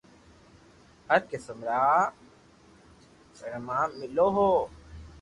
هر قسم را چۮما ملو هو